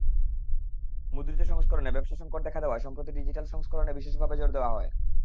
মুদ্রিত সংস্করণে ব্যবসাসংকট দেখা দেওয়ায় সম্প্রতি ডিজিটাল সংস্করণে বিশেষভাবে জোর দেওয়া হয়।